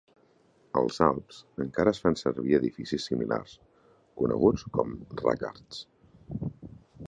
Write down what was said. Als Alps, encara es fan servir edificis similars, coneguts com "raccards".